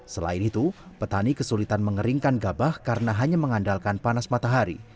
selain itu petani kesulitan mengeringkan gabah karena hanya mengandalkan panas matahari